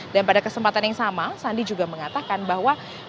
dan pada kesempatan yang sama sandi juga mengatakan bahwa